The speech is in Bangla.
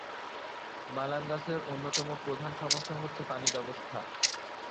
মালাঙ্গাসের অন্যতম প্রধান সমস্যা হচ্ছে পানি ব্যবস্থা।